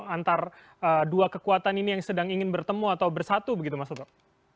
antara dua kekuatan ini yang sedang ingin bertemu atau bersatu begitu mas toto